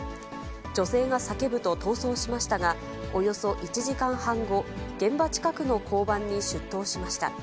女性が叫ぶと逃走しましたが、およそ１時間半後、現場近くの交番に出頭しました。